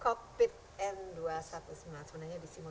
koninsi dari keeveryadaan keempat dari ke depan di indonesia